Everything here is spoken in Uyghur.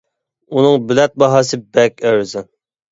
ئۇنىڭ بىلەت باھاسى بەك ئەرزان.